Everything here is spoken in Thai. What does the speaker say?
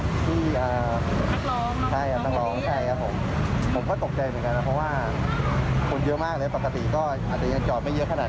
สิครับ